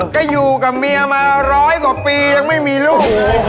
ก็อยู่กับเมียมาร้อยกว่าปียังไม่มีลูก